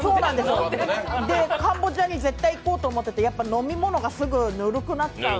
カンボジアに絶対行こうと思っていて、やっぱり飲み物がすぐぬるくなっちゃう。